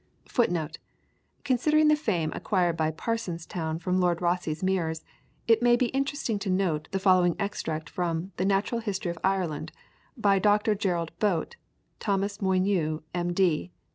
* Considering the fame acquired by Parsonstown from Lord Rosse's mirrors, it may be interesting to note the following extract from "The Natural History of Ireland," by Dr. Gerard Boate, Thomas Molyneux M.